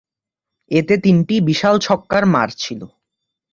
এতে তিনটি বিশাল ছক্কার মার ছিল।